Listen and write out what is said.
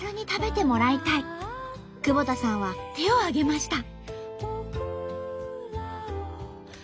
久保田さんは手を挙げました。